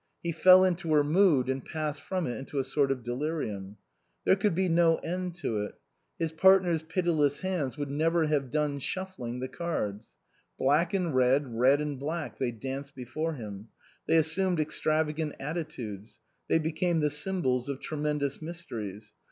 He fell into her mood, and passed from it into a sort of delirium. There could be no end to it ; his part ner's pitiless hands would never have done shuf fling the cards. Black and red, red and black, they danced before him ; they assumed extrava gant attitudes ; they became the symbols of tremendous mysteries.